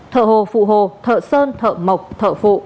thợ hồ phụ hồ thợ sơn thợ mộc thợ phụ